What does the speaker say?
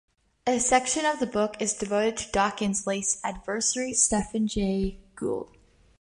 A section of the book is devoted to Dawkins' late adversary Stephen Jay Gould.